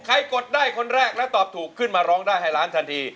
กดได้คนแรกแล้วตอบถูกขึ้นมาร้องได้ให้ล้านทันที